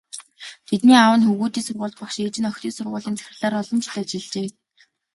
Тэдний аав нь хөвгүүдийн сургуульд багш, ээж нь охидын сургуулийн захирлаар олон жил ажиллажээ.